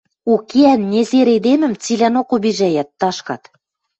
Укеӓн, незер эдемӹм цилӓнок обижӓйӓт, ташкат.